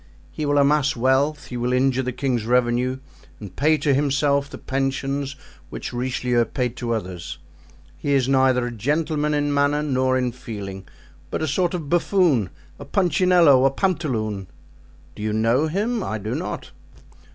He will amass wealth, he will injure the king's revenue and pay to himself the pensions which Richelieu paid to others. He is neither a gentleman in manner nor in feeling, but a sort of buffoon, a punchinello, a pantaloon. Do you know him? I do not."